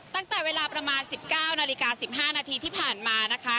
ตั้งแต่เวลาประมาณ๑๙นาฬิกา๑๕นาทีที่ผ่านมานะคะ